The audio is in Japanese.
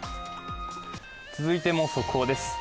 続いても速報です。